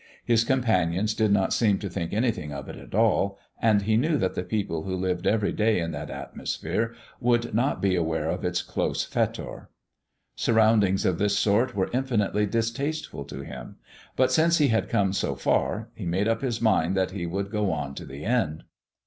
His companions did not seem to think anything of it at all, and he knew that the people who lived every day in that atmosphere would not be aware of its close fetor. Surroundings of this sort were infinitely distasteful to him, but since he had come so far he made up his mind that he would go on to the end.